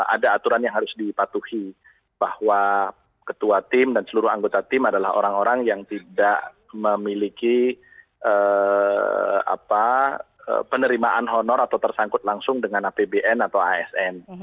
ada aturan yang harus dipatuhi bahwa ketua tim dan seluruh anggota tim adalah orang orang yang tidak memiliki penerimaan honor atau tersangkut langsung dengan apbn atau asn